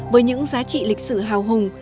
với những giá trị lịch sự hào hùng